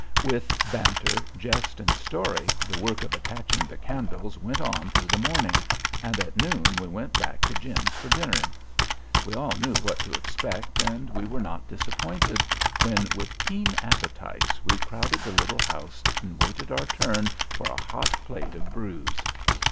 With banter, jest and story the work of attaching the candles went on thru the morning and at noon we went back to Jim's for dinner. We all knew what to expect and we were not disappointed, when with keen appetites, we crowded the little house and waited our turn for a hot plate of brewse.